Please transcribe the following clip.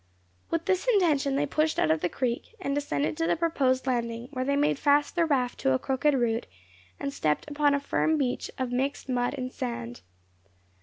With this intention they pushed out of the creek, and descended to the proposed landing, where they made fast their raft to a crooked root, and stepped upon a firm beach of mixed mud and sand.